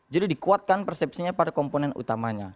jadi dikuatkan persepsinya pada komponen utamanya